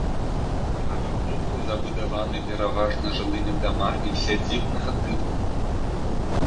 Правы бок забудаваны пераважна жылымі дамамі сядзібнага тыпу.